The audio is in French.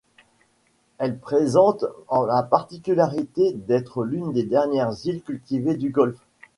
Elle présente la particularité d'être l'une des dernières îles cultivées du golfe.